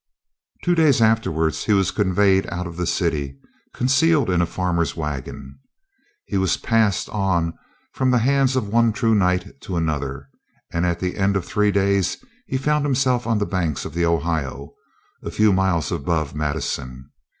Two days afterwards he was conveyed out of the city concealed in a farmer's wagon. He was passed on from the hands of one true Knight to another, and at the end of three days he found himself on the banks of the Ohio, a few miles above Madison.